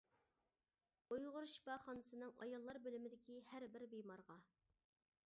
ئۇيغۇر شىپاخانىسىنىڭ ئاياللار بۆلۈمىدىكى ھەر بىر بىمارغا.